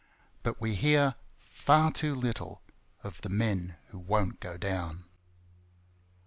But we hear far too little Of the men who won't go down.